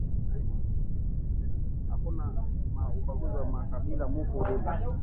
Akuna ubaguzi ya ma kabila muku rima